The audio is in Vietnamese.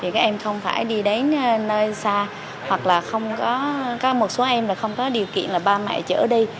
các em không phải đi đến nơi xa hoặc là không có một số em là không có điều kiện là ba mẹ chở đi